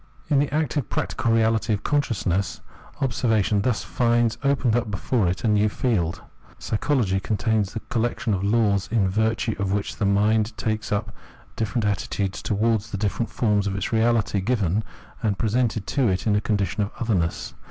In the active practical reahty of consciousness, observation thus finds opened up before it a new field. Psychology contams the collection of laws in virtue of which the mind takes up different attitudes towards the different forms of its reality given and presented to it in a condition of otherness.